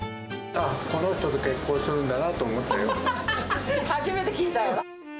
この人と結婚するんだなと思初めて聞いたよ。